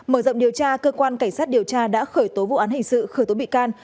mở rộng điều tra cơ quan cảnh sát điều tra đã khởi tố vụ án hình sự khởi tố bị can